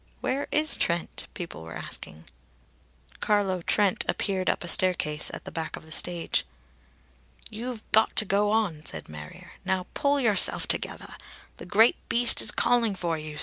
"Where is Trent?" people were asking. Carlo Trent appeared up a staircase at the back of the stage. "You've got to go on," said Marrier. "Now, pull yourself togethah. The Great Beast is calling for you.